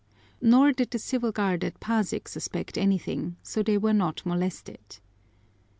Nor did the civil guard at Pasig suspect anything, so they were not molested.